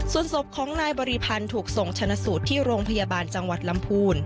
ส่วนศพของนายบริพันธ์ถูกส่งชนะสูตรที่โรงพยาบาลจังหวัดลำพูน